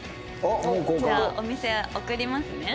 じゃあお店送りますね。